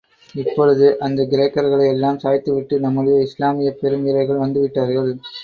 இப்பொழுது, அந்தக் கிரேக்கர்களையெல்லாம் சாய்த்து விட்டு நம்முடைய இஸ்லாமியப் பெரும் வீரர்கள் வந்து விட்டார்கள்.